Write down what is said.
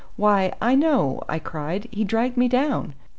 "Why, I know," I cried; "he dragged me down."